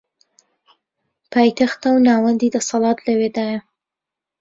پایتەختە و ناوەندی دەسەڵات لەوێدایە